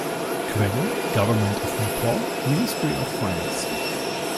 Quelle: Government of Nepal, Ministry of Finance